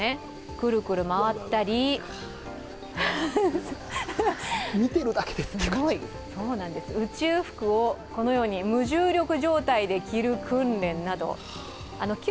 くるくる回ったり宇宙服を無重力状態で着る訓練など。